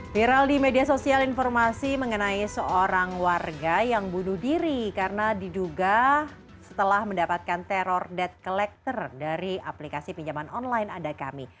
viral di media sosial informasi mengenai seorang warga yang bunuh diri karena diduga setelah mendapatkan teror debt collector dari aplikasi pinjaman online adakami